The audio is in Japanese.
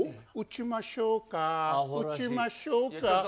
撃ちましょうか撃ちましょうか。